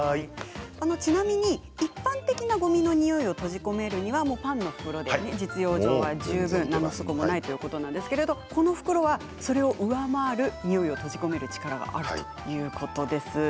ちなみに一般的なごみのにおいを閉じ込めるにはパンの袋で実用上は十分何の不足もないことですがこの袋はそれを上回るにおいを閉じ込める力があるということです。